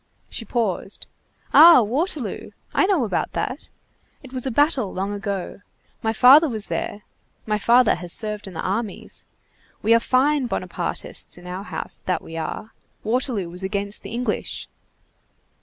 She paused. "Ah! Waterloo! I know about that. It was a battle long ago. My father was there. My father has served in the armies. We are fine Bonapartists in our house, that we are! Waterloo was against the English."